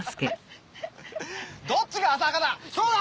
どっちが浅はかだ！